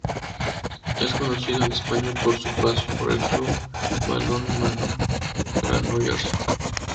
Es conocido en España por su paso por el Club Balonmano Granollers.